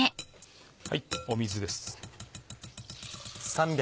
水です。